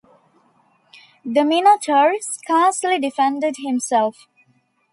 The Minotaur scarcely defended himself.